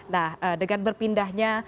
nah dengan berpindahnya